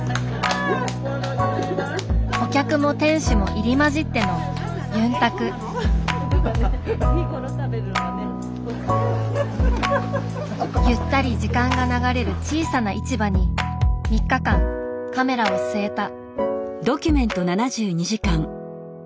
お客も店主も入り交じってのゆったり時間が流れる小さな市場に３日間カメラを据えた。